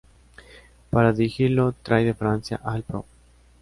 Para dirigirlo trae de Francia al Prof.